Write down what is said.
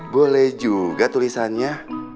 boleh juga tulisannya